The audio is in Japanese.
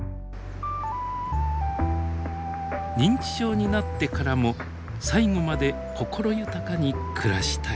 認知症になってからも最後まで心豊かに暮らしたい。